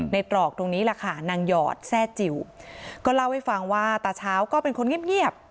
ตรอกตรงนี้แหละค่ะนางหอดแทร่จิ๋วก็เล่าให้ฟังว่าตาเช้าก็เป็นคนเงียบ